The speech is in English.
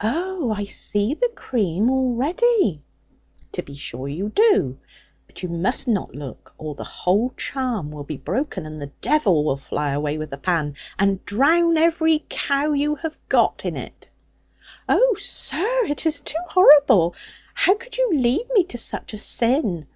Oh, I see the cream already!' 'To be sure you do; but you must not look, or the whole charm will be broken, and the devil will fly away with the pan, and drown every cow you have got in it.' 'Oh, sir, it is too horrible. How could you lead me to such a sin?